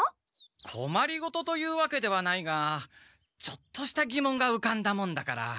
こまりごとというわけではないがちょっとしたぎもんがうかんだもんだから。